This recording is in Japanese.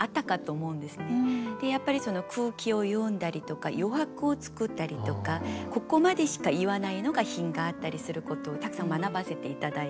でやっぱり空気を読んだりとか余白を作ったりとかここまでしか言わないのが品があったりすることをたくさん学ばせて頂いて。